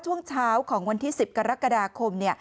ช่วงเช้าของวันที่๑๐กรกฎาคม